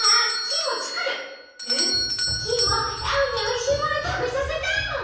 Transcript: えっ？キイもアオにおいしいものたべさせたいもん。